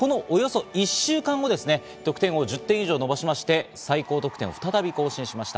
およそ１週間後です、得点を１０点以上伸ばしまして、最高得点を再び更新しました。